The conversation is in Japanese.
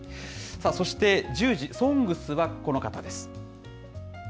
そして１０時、ＳＯＮＧＳはこの方です。